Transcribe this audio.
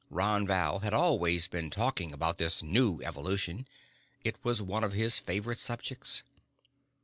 Ron Val had always been talking about this new evolution. It was one of his favorite subjects.